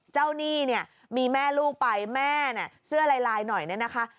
เจ้านี่มีแม่ลูกไปแม่เสื้อลายหน่อยนี่นะคะ